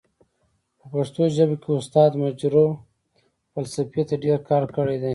په پښتو ژبه کې استاد مجرح فلسفې ته ډير کار کړی دی.